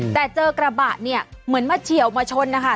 แต่เจอกระบะเนี่ยเหมือนมาเฉียวมาชนนะคะ